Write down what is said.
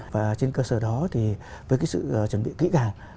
và trên cơ sở đó thì với cái sự chuẩn bị kỹ càng